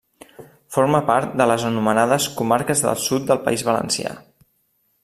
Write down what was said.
Forma part de les anomenades Comarques del Sud del País Valencià.